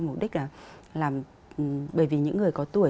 bởi vì những người có tuổi